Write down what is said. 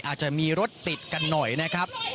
อาจจะมีรถติดกันหน่อยนะครับ